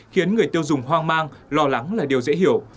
khiến người tiêu dùng hoang mang lo lắng là điều dễ hiểu